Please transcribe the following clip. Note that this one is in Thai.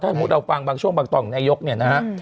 ถ้าสมมุติเราฟังบางช่วงบางตอนของนายกเนี่ยนะฮะ